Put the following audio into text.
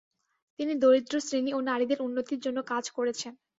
তিনি দরিদ্র শ্রেণী ও নারীদের উন্নতির জন্য কাজ করেছেন।